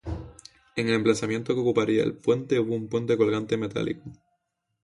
En el emplazamiento que ocuparía el puente, hubo un puente colgante metálico.